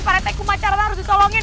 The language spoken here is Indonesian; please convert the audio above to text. pak retek kumacara harus disolongin